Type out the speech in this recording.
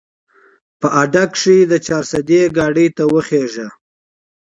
په اډه کښې د چارسدې ګاډي ته وخېژه